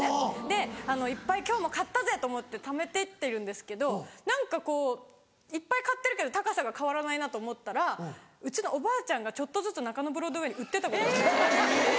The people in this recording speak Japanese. でいっぱい今日も買ったぜと思ってためてってるんですけど何かこういっぱい買ってるけど高さが変わらないなと思ったらうちのおばあちゃんがちょっとずつ中野ブロードウェイに売ってたことがあって。